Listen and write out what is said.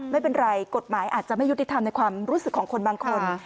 ไม่เป็นไรกฎหมายอาจจะไม่ยุติธรรมในความรู้สึกของคนบางคน